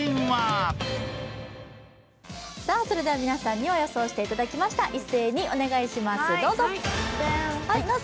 皆さんに予想していただきました。